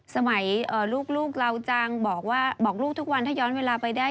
สมัยลูกเราจังบอกว่าบอกลูกทุกวันถ้าย้อนเวลาไปได้